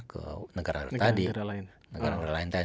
ke negara negara lain